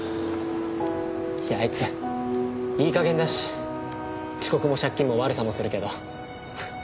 いやあいついい加減だし遅刻も借金も悪さもするけど。